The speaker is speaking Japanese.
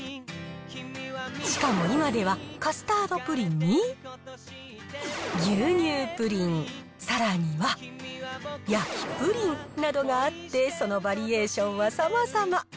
しかも、今ではカスタードプリンに、牛乳プリン、さらには、焼きプリンなどがあって、そのバリエーションはさまざま。